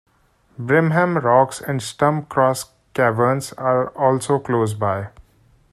Brimham Rocks and Stump Cross Caverns are also close by.